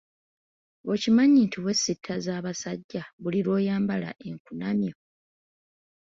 Okimanyi nti weesittaza abasajja buli lw'oyambala enkunamyo?